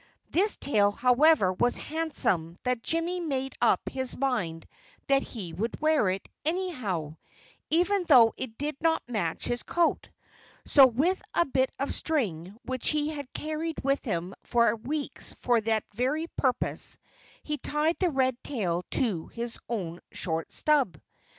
This tail, however, was so handsome that Jimmy made up his mind that he would wear it, anyhow, even though it did not match his coat. So with a bit of string which he had carried with him for weeks for that very purpose, he tied the red tail to his own short stub.